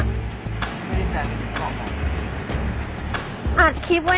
ไม่ได้ใจไม่คิดบอกเลย